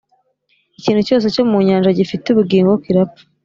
ikintu cyose cyo mu nyanja gifite ubugingo kirapfa.